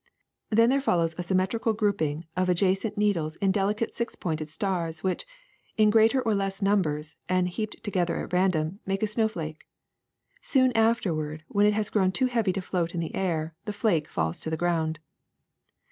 Then there follows a sym metrical grouping of adjacent needles in delicate six pointed stars which, in greater or less numbers and heaped together at random, make a sno\s^ake. Soon afterward, when it has grown too heavy to float in the air, the flake falls to the ground.